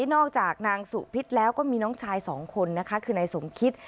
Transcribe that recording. นอกจากนางสุพิษแล้วก็มีน้องชายสองคนนะคะคือนายสมคิต